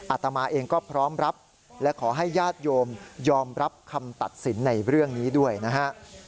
อาตมาเองก็พร้อมรับและขอให้ญาติโยมยอมรับคำตัดสินในเรื่องนี้ด้วยนะฮะ